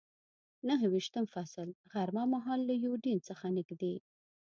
نهه ویشتم فصل، غرمه مهال له یوډین څخه نږدې.